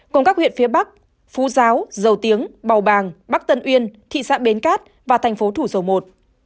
cùng các huyện phía bắc phú giáo dầu tiếng bào bàng bắc tân uyên thị xã bến cát và thành phố thủ dầu một